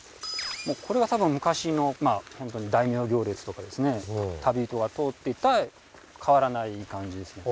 これが多分昔の大名行列とか旅人が通っていた変わらない感じですね。